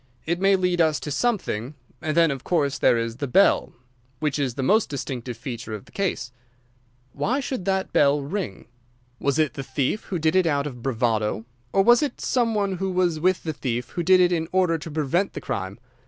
It may lead us to something. And then, of course, there is the bell—which is the most distinctive feature of the case. Why should the bell ring? Was it the thief who did it out of bravado? Or was it some one who was with the thief who did it in order to prevent the crime?